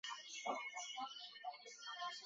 她的墓地和女儿女婿的墓地都在此清真寺。